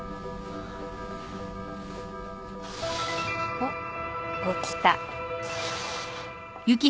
おっ起きた。